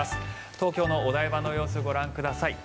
東京のお台場の様子ご覧ください。